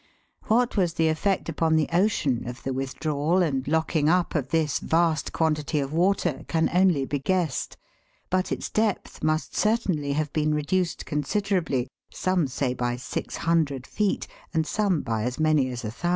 What was the effect upon the ocean of the withdrawal and locking up of this vast quantity of water can only be guessed ; but its depth must certainly have been reduced considerably, some say by 600 feet, and some by as many as 1,000.